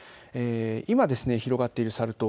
今、広がっているサル痘。